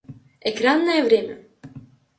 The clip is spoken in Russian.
Экранное время